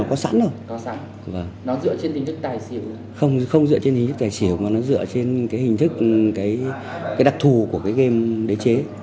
không không dựa trên hình thức tài xỉu mà nó dựa trên cái hình thức cái đặc thù của cái game đế chế